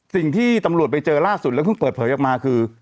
สิ่งที่ตำรวจไปเจอล่าสุดแล้วเพิ่งเปิดเผยออกมาคือ